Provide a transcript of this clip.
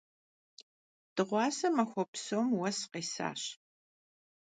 Dığuase maxue psom vues khêsaş.